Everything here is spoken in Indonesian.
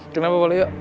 kenapa pak leo